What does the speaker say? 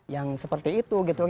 yang seperti itu gitu